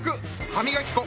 歯磨き粉。